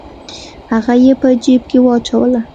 هغه یې په جیب کې واچوله.